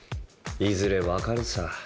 いずれ分かるさ。